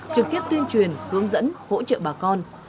trực tiếp tuyên truyền hướng dẫn hỗ trợ bà con